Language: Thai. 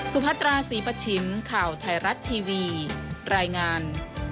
ซุภัทราสีปจิ๋นข่าวไทยรัตรีทีวีรายงาน